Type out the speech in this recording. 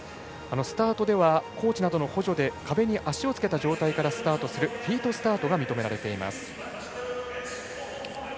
スタートではコーチなどの補助で壁に足をつけた状態からスタートするフィートスタートが認められています。